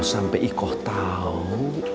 kalau sampai iko tau